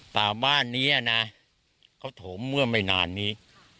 แต่บ้านนี้นะเขาถมเมื่อไม่นานนี้